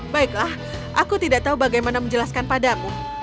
baiklah aku tidak tahu bagaimana menjelaskan padamu